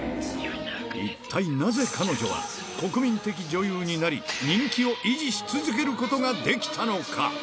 一体なぜ、彼女は国民的女優になり、人気を維持し続けることができたのか。